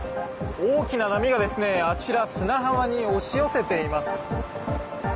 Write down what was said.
大きな波があちら砂浜に押し寄せています。